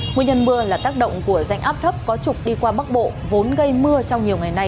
nguyên nhân mưa là tác động của danh áp thấp có trục đi qua bắc bộ vốn gây mưa trong nhiều ngày nay ở miền bắc